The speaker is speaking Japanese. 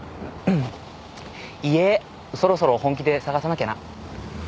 家そろそろ本気で探さなきゃな。